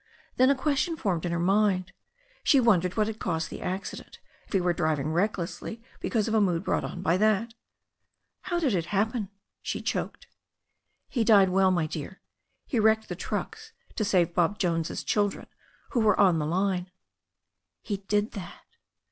Then a question formed in her mind. She wondered what had caused the accident, if he were driving recklessly be cause of a mood brought on by that. "How did it happen?" she choked. "He died well, my dear. He wrecked the trucks to save Bob Jones's children who were on the line." "He did that!"